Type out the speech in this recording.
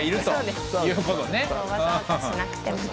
わざわざしなくても大丈夫。